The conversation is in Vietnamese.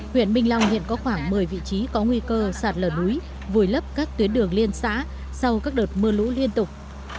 huyện minh long hiện có khoảng một mươi vị trí có nguy cơ sạt lở núi vùi lấp các tuyến đường liên xã sau các đợt mưa lũ liên tục